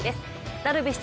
ダルビッシュ